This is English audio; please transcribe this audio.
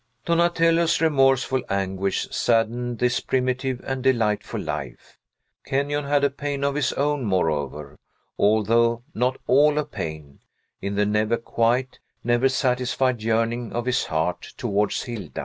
Donatello's remorseful anguish saddened this primitive and delightful life. Kenyon had a pain of his own, moreover, although not all a pain, in the never quiet, never satisfied yearning of his heart towards Hilda.